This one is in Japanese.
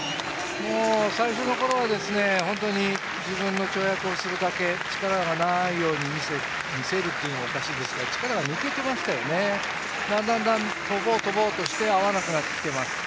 最初のころは、本当に自分の跳躍をするだけ、力がないように見せるというのもおかしいですが力が抜けてますから、だんだん跳ぼう跳ぼうとして合わなくなってきています。